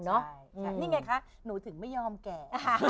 นี่ไงคะหนูถึงไม่ยอมแก่